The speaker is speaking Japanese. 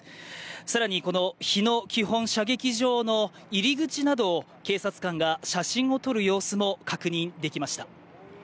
更に、この日野基本射撃場の入り口などを警察官が写真を撮る様子も確認できました。